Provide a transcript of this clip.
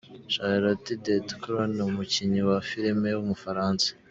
Charlotte de Turckheim ni umukinnyi wa Filime w’umufaransa.